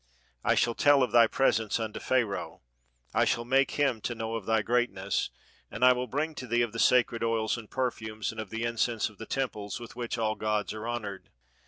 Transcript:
I shall tell of thy presence unto Pha raoh, I shall make him to know of thy greatness, and I will bring to thee of the sacred oils and perfumes, and of incense of the temples with which all gods are honored.